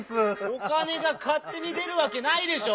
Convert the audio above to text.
おかねがかっ手にでるわけないでしょ！